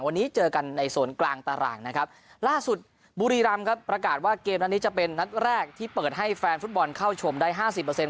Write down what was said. นับแรกที่เปิดให้แฟนฟุตบอลเข้าชมได้ห้าสี่เปอร์เซ็นต์